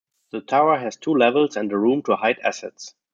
The tower has two levels and a room to hide assets.